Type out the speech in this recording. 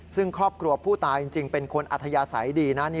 ซึ่งครอบครัวผู้ตายจริงเป็นคนอัธยาศัยดีนะ